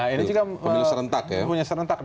ini juga punya serentak